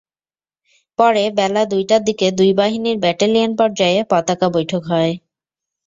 পরে বেলা দুইটার দিকে দুই বাহিনীর ব্যাটালিয়ন পর্যায়ে পতাকা বৈঠক হয়।